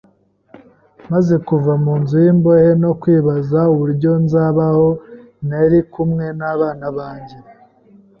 Maze kuva mu nzu y’imbohe no kwibaza uburyo nzabaho ntari kumwe n’abana banjye,